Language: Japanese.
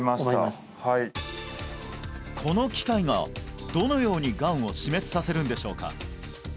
はいこの機械がどのようにがんを死滅させるんでしょうか？